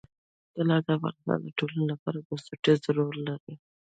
طلا د افغانستان د ټولنې لپاره بنسټيز رول لري.